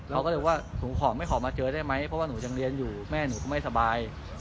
เราก็เลยว่าหนูขอไม่ขอมาเจอได้ไหมเพราะว่าหนูยังเรียนอยู่แม่หนูก็ไม่สบาย